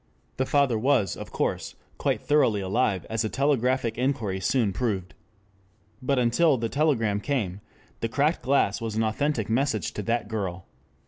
The father was, of course, quite thoroughly alive as a telegraphic inquiry soon proved. But until the telegram came, the cracked glass was an authentic message to that girl.